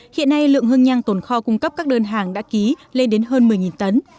hiện nay lượng hương nhang tồn kho cung cấp các đơn hàng đã ký lên đến hơn một mươi tấn